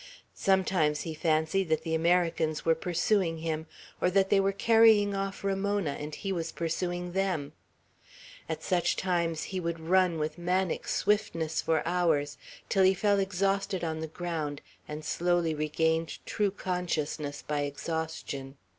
Sometimes he fancied that the Americans were pursuing him, or that they were carrying off Ramona, and he was pursuing them. At such times he would run with maniac swiftness for hours, till he fell exhausted on the ground, and slowly regained true consciousness by exhaustion.